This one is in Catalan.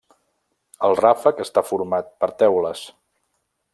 El ràfec està format per teules.